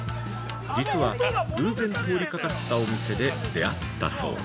実は、偶然通りかかったお店で出会ったそう。